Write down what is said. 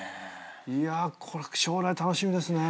いやぁこれ将来楽しみですね。